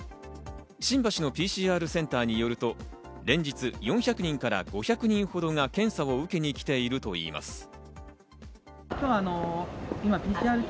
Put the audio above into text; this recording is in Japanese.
新橋のＰＣＲセンターによると連日４００人から５００人ほどが検査を受けに来ているといいます。